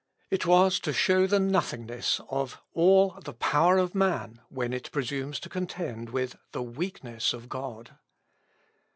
It was to show the nothingness of all "the power of man," when it presumes to contend with "the weakness of God."